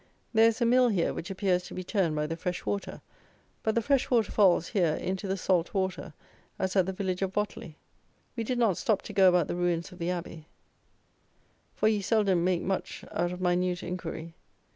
There is a mill here which appears to be turned by the fresh water, but the fresh water falls, here, into the salt water, as at the village of Botley. We did not stop to go about the ruins of the abbey; for you seldom make much out by minute inquiry.